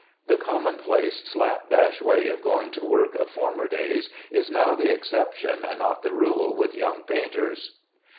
The commonplace slap dash way of going to work of former days is now the exception and not the rule with young painters.